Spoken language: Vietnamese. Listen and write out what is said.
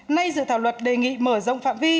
nay dự thảo luật đề nghị mở rộng phạm vi